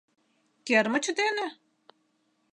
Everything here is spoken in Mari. Кермыч дене?